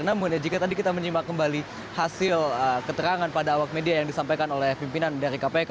namun jika tadi kita menyimak kembali hasil keterangan pada awak media yang disampaikan oleh pimpinan dari kpk